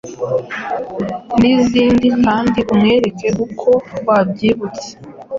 n’izindi kandi umwereke ko wabyibutse